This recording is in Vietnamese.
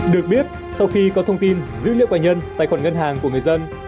được biết sau khi có thông tin dữ liệu và nhân tài khoản ngân hàng của người dân